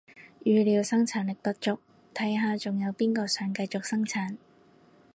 語料生產力不足，睇下仲有邊個想繼續生產